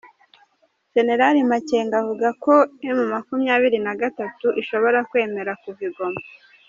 Generari Makenga avuga ko M makumyabiri nagatatu ishobora kwemera kuva i Goma